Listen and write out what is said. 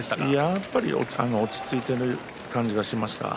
やっぱり落ち着いている感じがしました。